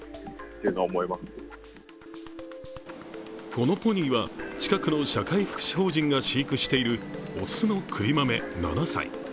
このポニーは近くの社会福祉法人が飼育している雄のくりまめ、７歳。